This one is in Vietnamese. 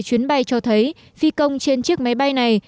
chuyến bay cho thấy phi công trên chiếc máy bay này